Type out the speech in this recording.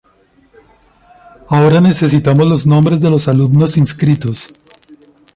Ahora necesitamos los nombres de los alumnos inscritos.